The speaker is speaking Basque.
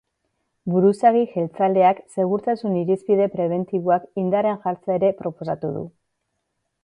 Buruzagi jeltzaleak segurtasun irizpide prebentiboak indarrean jartzea ere proposatu du.